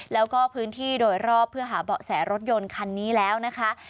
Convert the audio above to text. แล้วก็พื้นที่โดยรอบเพื่อหาเบาะแสรถยนต์คันนี้แล้วนะคะ